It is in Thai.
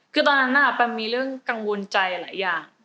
คือตอนนั้นแปมมีเรื่องกังวลใจหลายอย่าง